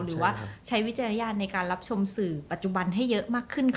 หรือว่าใช้วิจารณญาณในการรับชมสื่อปัจจุบันให้เยอะมากขึ้นค่ะ